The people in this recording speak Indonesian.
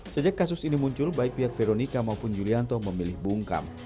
sejak kasus ini muncul baik pihak veronica maupun yulianto memilih bungkam